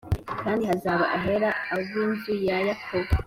kandi hazaba ahera ab inzu ya Yakobo